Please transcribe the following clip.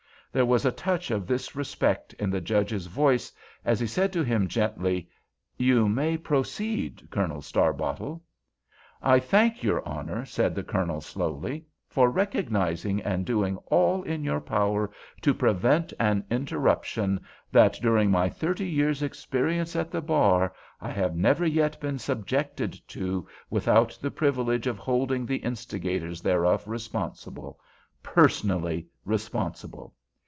There was a touch of this respect in the Judge's voice as he said to him, gently, "You may proceed, Colonel Starbottle." "I thank your Honor," said the Colonel, slowly, "for recognizing and doing all in your power to prevent an interruption that, during my thirty years' experience at the bar, I have never yet been subjected to without the privilege of holding the instigators thereof responsible—personally responsible.